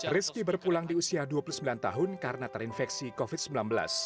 rizky berpulang di usia dua puluh sembilan tahun karena terinfeksi covid sembilan belas